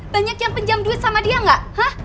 banyak yang pinjam duit sama dia nggak